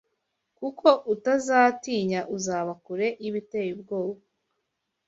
Kuko utazatinya uzaba kure y’ibiteye ubwoba